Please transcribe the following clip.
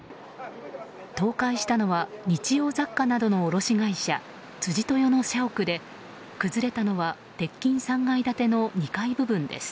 倒壊したのは日用雑貨などの卸会社辻豊の社屋で崩れたのは鉄筋３階建ての２階部分です。